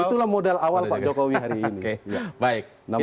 itulah modal awal pak jokowi hari ini